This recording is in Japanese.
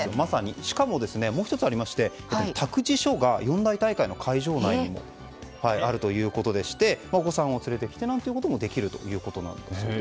しかももう１つありまして託児所が四大大会の会場内にもあるということでしてお子さんを連れてきてということもできるということです。